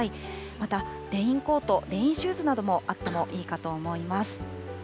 またレインコート、レインシューズなどもあってもいいかと思います。